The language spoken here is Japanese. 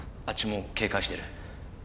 あっちも警戒してる。